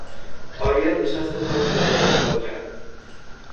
آرین نشست و کار خود را دنبال کرد.